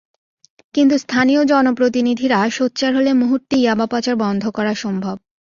কিন্তু স্থানীয় জনপ্রতিনিধিরা সোচ্চার হলে মুহূর্তে ইয়াবা পাচার বন্ধ করা সম্ভব।